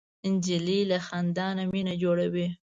نجلۍ له خندا نه مینه جوړوي.